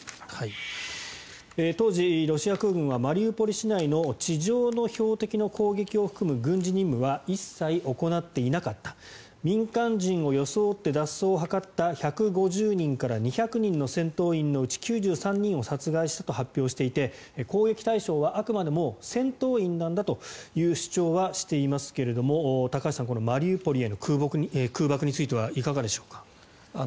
当時、ロシア空軍はマリウポリ市内の地上の標的の攻撃を含む軍事任務は一切行っていなかった民間人を装って脱走を図った１５０人から２００人の戦闘員のうち９３人を殺害したと発表していて攻撃対象はあくまでも戦闘員なんだという主張はしていますが高橋さんマリウポリへの空爆についてはいかがでしょうか。